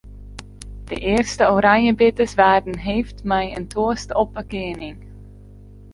De earste oranjebitters waarden heefd mei in toast op 'e kening.